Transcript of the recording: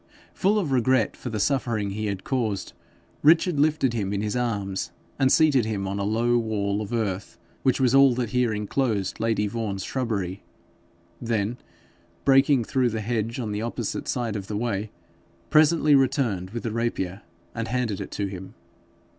Full of regret for the suffering he had caused, Richard lifted him in his arms, and seated him on a low wall of earth, which was all that here inclosed lady Vaughan's shrubbery; then, breaking through the hedge on the opposite side of the way, presently returned with the rapier, and handed it to him.